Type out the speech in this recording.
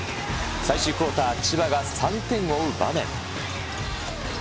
最終クオーター、千葉が３点を追う場面。